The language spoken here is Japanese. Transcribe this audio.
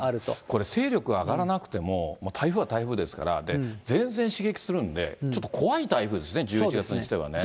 これ、勢力上がらなくても、台風は台風ですから、前線刺激するんで、ちょっと怖い台風ですね、１１月にしてはね。